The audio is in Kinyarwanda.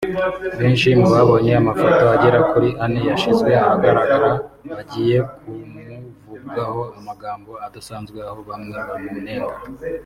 Benshi mubabonye amafoto agera kuri ane yashyize ahagaragara bagiye bamuvugaho amagambo adasanzwe aho bamwe bamunenga